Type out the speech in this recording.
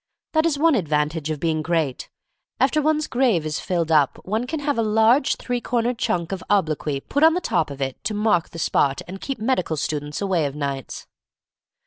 That is one advantage of being great. After one's grave is filled up, one can have a large three cornered chunk of obloquy put on the top of it to mark the spot and keep medical students away of nights.